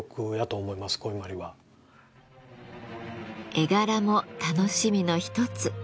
絵柄も楽しみの一つ。